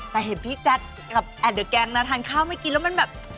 แต่ให้เจ๊แจ๊คกับแอดเงินทานข้าวมากินแล้วมันแบบ